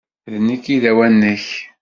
D nekk i d awanek!